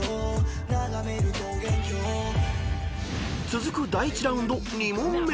［続く第１ラウンド２問目］